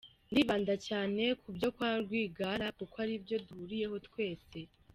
Ndibanda cyane ku byo kwa Rwigara kuko ari byo duhuriyeho twese.